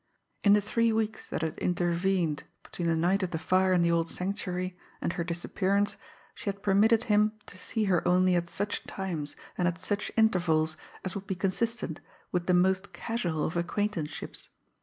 In the three weeks that had intervened between the night of the fire in the old Sanctuary and her disappearance, she had permitted him to see her only at such times and at such intervals as would be consistent with the most casual of acquaintanceships.